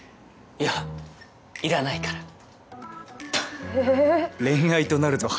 いやいらないから。